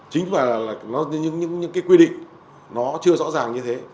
chính là những quy định chưa rõ ràng như thế